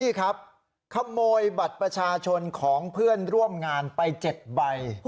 นี่ครับขโมยบัตรประชาชนของเพื่อนร่วมงานไป๗ใบ